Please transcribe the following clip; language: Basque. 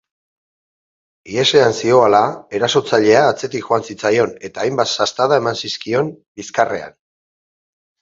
Ihesean zihoala, erasotzailea atzetik joan zitzaion eta hainbat sastada eman zizkion bizkarrean.